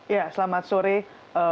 ya selamat sore